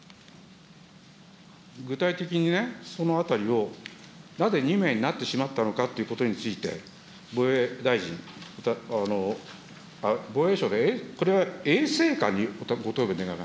具体的にね、そのあたりを、なぜ２名になってしまったのかということについて、防衛大臣、防衛省か、これは衛生監にご答弁願い